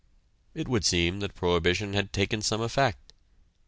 It would seem that prohibition had taken some effect.